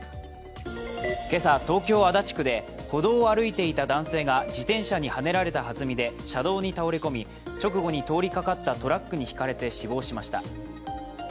今朝、東京・足立区で歩道を歩いていた男性が自転車にはねられたはずみで車道に倒れ込み、直後に通りかかったトラックにひかれて死亡しました。